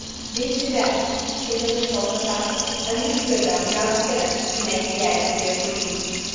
Beat two eggs, season with salt and pepper and mix with them enough spinach to make the eggs appear green.